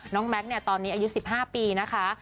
น้องแม็กซ์เนี่ยตอนนี้อายุสิบห้าปีนะคะ